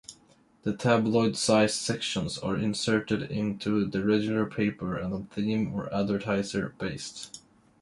The tabloid-sized sections are inserted into the regular paper and are theme- or advertiser-based.